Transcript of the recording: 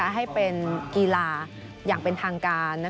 ให้เป็นกีฬาอย่างเป็นทางการ